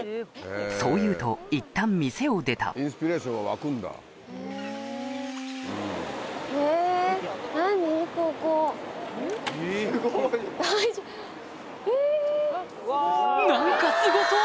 そう言うといったん店を出た何かすごそう！